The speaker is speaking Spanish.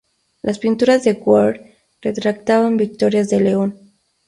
Las pinturas de Ward, retrataban victorias del león.